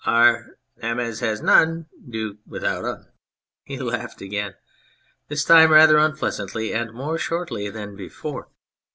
Ar ! Them as as none kin do without un." He laughed again, this time rather unpleasantly, and more shortly than before.